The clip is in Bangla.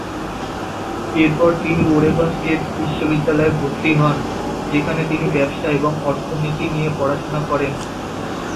এরপর তিনি ওরেগন স্টেট বিশ্ববিদ্যালয়ে ভর্তি হন, যেখানে তিনি ব্যবসা এবং অর্থনীতি নিয়ে পড়াশোনা করেন।